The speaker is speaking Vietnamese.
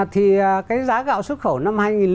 thì cái giá gạo xuất khẩu năm hai nghìn tám